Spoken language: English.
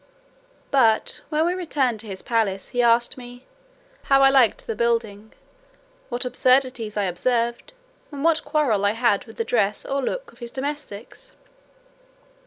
But, when we returned to his palace, he asked me "how I liked the building, what absurdities I observed, and what quarrel I had with the dress or looks of his domestics?"